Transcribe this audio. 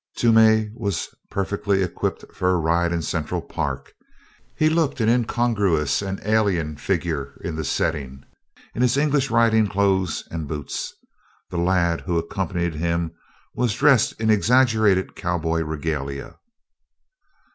Toomey was perfectly equipped for a ride in Central Park. He looked an incongruous and alien figure in the setting in his English riding clothes and boots. The lad who accompanied him was dressed in exaggerated cowboy regalia.